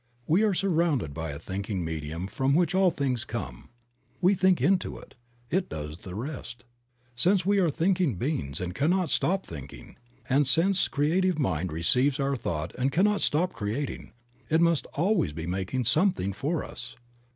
We are surrounded by a thinking medium from which all things come. We think into it; it does the rest. Since we are thinking beings and cannot stop thinking, and since Creative Mind receives our thought and cannot stop creating, it must always be making something for us.